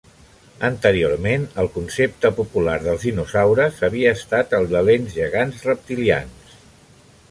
Anteriorment, el concepte popular dels dinosaures havia estat el de lents gegants reptilians.